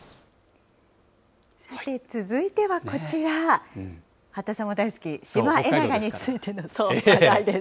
さて続いてはこちら、八田さんも大好き、シマエナガについての話題です。